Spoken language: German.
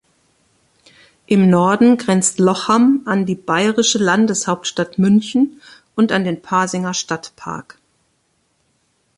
Im Norden grenzt Lochham an die bayerische Landeshauptstadt München und an den Pasinger Stadtpark.